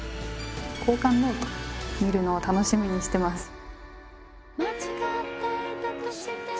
交換ノート見るのを楽しみにしてます。